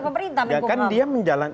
melawan dukungan pemerintah menkumham